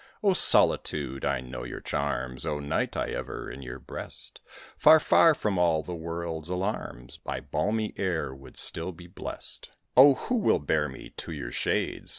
O Solitude! I know your charms! O Night! I ever in your breast, Far, far from all the world's alarms, By balmy air would still be blest; Oh, who will bear me to your shades?